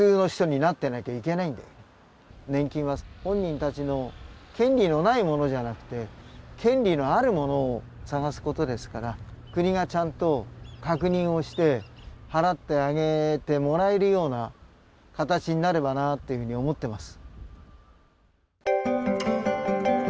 年金は本人たちの権利のないものじゃなくて権利のあるものを探すことですから国がちゃんと確認をして払ってあげてもらえるような形になればなというふうに思ってます。